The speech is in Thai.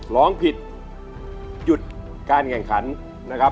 ร้องผิดหยุดการแข่งขันนะครับ